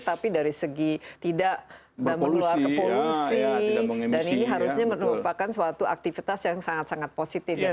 tapi dari segi tidak mengeluarkan polusi dan ini harusnya merupakan suatu aktivitas yang sangat sangat positif ya